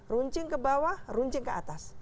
runcing ke bawah runcing ke atas